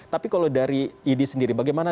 tapi kalau dari idi sendiri bagaimana